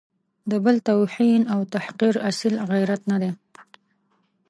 د بل توهین او تحقیر اصیل غیرت نه دی.